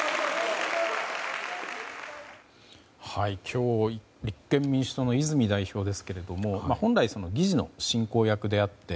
今日、立憲民主党の泉代表ですけれども本来、議事の進行役であって